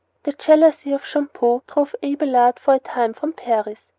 The jealousy of Champeaux drove Abelard for a time from Paris.